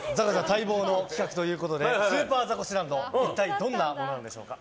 待望の企画ということでスーパーザコシランド一体どんなものなんでしょうか。